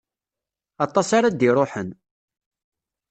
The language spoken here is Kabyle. Aṭas ara d-iṛuḥen.